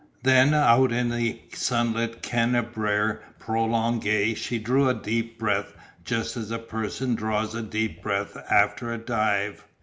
Then out in the sunlit Cannabier Prolongué she drew a deep breath just as a person draws a deep breath after a dive.